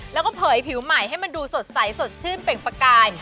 แล้วก็เผยผิวใหม่ให้มันดูสดใสสดชื่นเปล่งประกาย